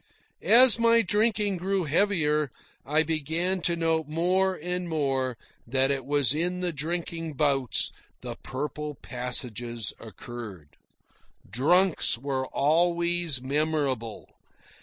As my drinking grew heavier, I began to note more and more that it was in the drinking bouts the purple passages occurred. Drunks were always memorable.